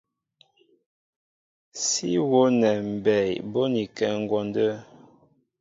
Sí wónɛ mbey bónikɛ ŋgwɔndə́.